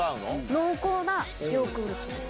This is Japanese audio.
濃厚なヨーグルトです。